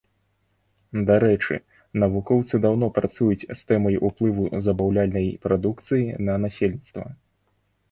Дарэчы, навукоўцы даўно працуюць з тэмай уплыву забаўляльнай прадукцыі на насельніцтва.